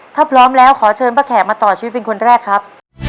ถ้าพร้อมแล้วขอเชิญป้าแขกมาต่อชีวิตเป็นคนแรกครับ